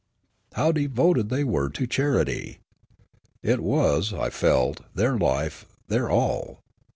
How devoted the}' were to charity ! It was, I felt, their life, their all.